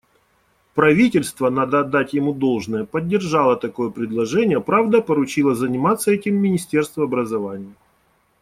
Правительство, надо отдать ему должное, поддержало такое предложение, правда, поручило заниматься этим Министерству образования.